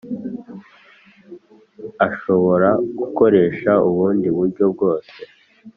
ashobora gukoresha ubundi buryo bwose.